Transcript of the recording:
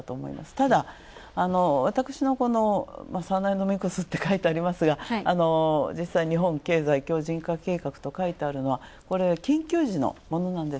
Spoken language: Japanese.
ただ、私のサナエノミクスと書いてありますが、実際、日本経済強靭計画と書いてあるのは、これは緊急時のものなんです。